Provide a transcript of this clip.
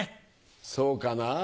そうかな。